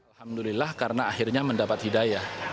alhamdulillah karena akhirnya mendapat hidayah